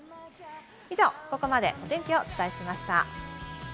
以上、ここまでお天気をお伝えしました。